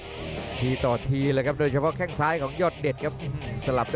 ทีต่อทีเลยครับโดยเฉพาะแข้งซ้ายของยอดเด็ดครับ